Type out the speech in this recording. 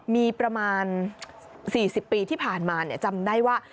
มีประมาณ๔๐ปีที่ผ่านมาจำได้ว่า